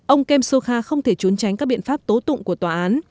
ông kem sokha không thể trốn tránh các biện pháp tố tụng của tòa án